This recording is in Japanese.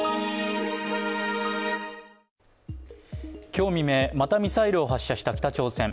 今日未明、またミサイルを発射した北朝鮮。